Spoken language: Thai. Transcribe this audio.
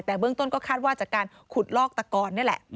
แต่เบื้องต้นก็คาดว่าจากการขุดลอกตะกอนนี่แหละ